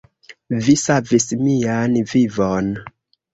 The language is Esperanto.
Vi savis mian vivon.